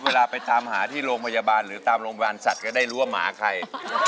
เวลาไปตามหาที่โรงพยาบาลหรือตามโรงพยาบาลสัตว์ก็ได้รู้ว่าหมาใคร